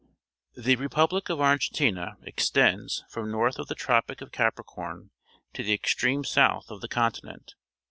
— The re pubfic of Argentina extends from north of the Tropic of Capricorn to the extreme south of the continent.